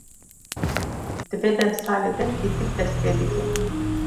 Di vê demsalê de zîpik dest pê dike.